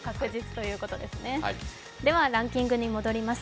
では、ランキングに戻ります。